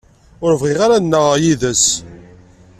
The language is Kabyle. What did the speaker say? Ur bɣiɣ ara ad nnaɣeɣ yid-s.